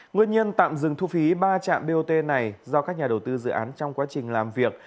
nguyên nhân tạm dừng thu phí ba trạm bot này do các nhà đầu tư dự án trong quá trình làm việc